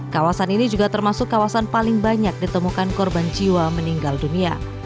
kawasan ini juga termasuk kawasan paling banyak ditemukan korban jiwa meninggal dunia